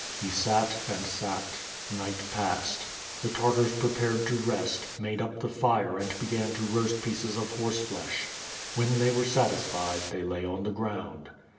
He sat and sat. Night passed. The Tartars prepared to rest, made up the fire and began to roast pieces of horseflesh. When they were satisfied, they lay on the ground.